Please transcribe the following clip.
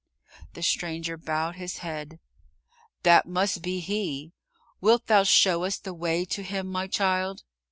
The stranger bowed his head. "That must be he. Wilt thou show us the way to Him, my child?"